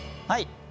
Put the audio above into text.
はい。